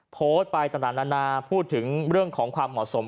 โพสต์ไปต่างนานาพูดถึงเรื่องของความเหมาะสม